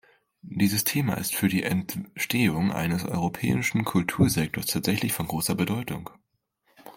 Dieses Thema ist für die Entstehung eines europäischen Kultursektors tatsächlich von großer Bedeutung.